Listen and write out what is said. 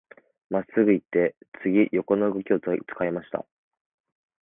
真っすぐ行って、次、横の動きを使いました。